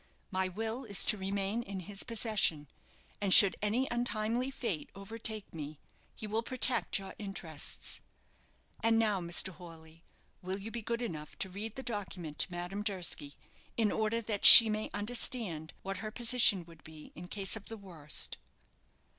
My will is to remain in his possession; and should any untimely fate overtake me, he will protect your interests. And now, Mr. Horley, will you be good enough to read the document to Madame Durski, in order that she may understand what her position would be in case of the worst?"